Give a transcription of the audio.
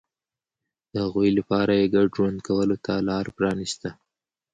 د هغوی لپاره یې ګډ ژوند کولو ته لار پرانېسته